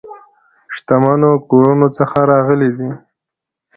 شتمنو کورونو څخه راغلي دي.